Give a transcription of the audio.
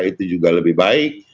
itu juga lebih baik